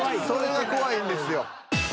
それが怖いんですよ。